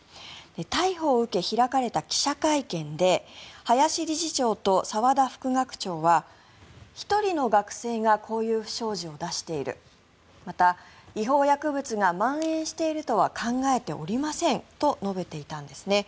逮捕を受け開かれた記者会見で林理事長と澤田副学長は１人の学生がこういう不祥事を出しているまた、違法薬物がまん延しているとは考えておりませんと述べていたんですね。